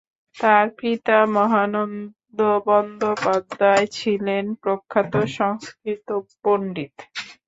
তার পিতা মহানন্দ বন্দ্যোপাধ্যায় ছিলেন প্রখ্যাত সংস্কৃত পণ্ডিত।